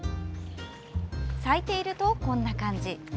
咲いていると、こんな感じ。